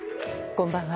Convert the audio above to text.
こんばんは。